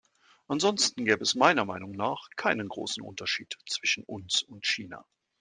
Ansonsten gäbe es meiner Meinung nach keinen großen Unterschied zwischen uns und China.